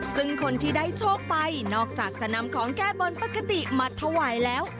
ซึ่งคนที่ได้โชคไปนอกจากจะนำของแก้บนปกติมาถวายแล้ว